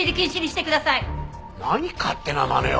何勝手なまねを。